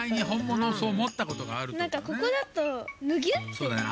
そうだね。